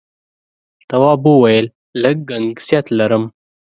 تواب وويل: لږ گنگسیت لرم.